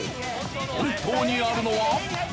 本当にあるのは。